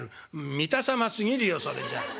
「見た様すぎるよそれじゃ。